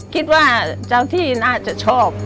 คิดว่าเจ้าที่น่าจะชอบ